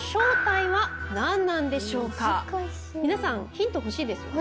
皆さんヒント欲しいですよね？